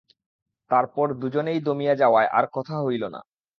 তারপর দুজনেই দমিয়া যাওয়ায় আর কথা হইল না।